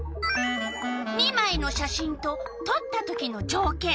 ２まいの写真ととったときのじょうけん。